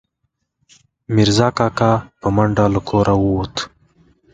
میرزا کاکا، په منډه له کوره ووت